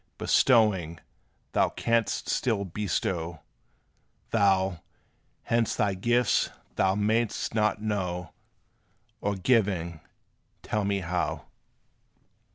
Bestowing, thou canst still bestow; Though, whence thy gifts thou may'st not know, Or giving, tell me how.